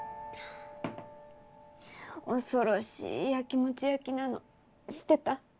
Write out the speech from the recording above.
恐ろしいヤキモチやきなの知ってた？